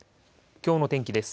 きょうの天気です。